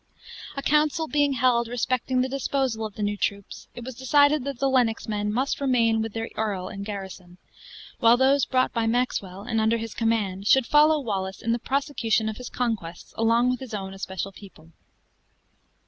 A council being held respecting the disposal of the new troops, it was decided that the Lennox men must remain with their earl in garrison; while those brought by Maxwell, and under his command, should follow Wallace in the prosecution of his conquests along with his own especial people.